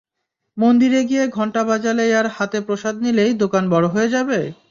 মন্দিরে গিয়ে ঘন্টা বাজাইলে আর হাতে প্রসাদ নিলেই দোকান বড় হয়ে যাবে?